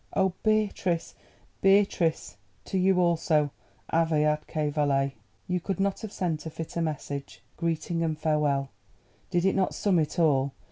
Oh, Beatrice, Beatrice! to you also ave atque vale. You could not have sent a fitter message. Greeting and farewell! Did it not sum it all?